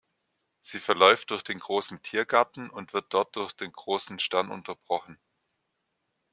Sie verläuft durch den Großen Tiergarten und wird dort durch den Großen Stern unterbrochen.